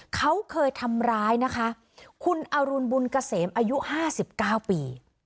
เขาเคยทำร้ายนะคะคุณอรุณบุญเกษมอายุ๕๙ปี